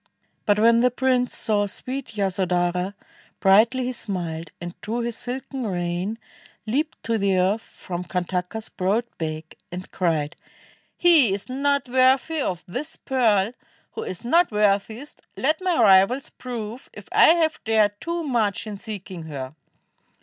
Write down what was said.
But when the prince saw sweet Yasodhara, Brightly he smiled, and drew his silken rein, Leaped to the earth from Kantaka's broad back, And cried, "He is not worthy of this pearl Who is not worthiest; let my rivals prove If I have dared too much in seeking her."